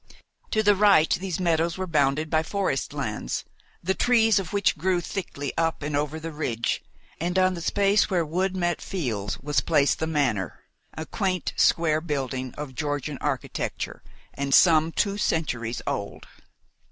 To the right these meadows were bounded by forest lands, the trees of which grew thickly up and over the ridge, and on the space where wood met fields was placed the manor, a quaint square building of Georgian architecture, and some two centuries old.